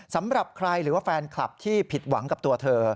สำหรับใครหรือว่าแฟนคลับที่ผิดหวังกับตัวเธอ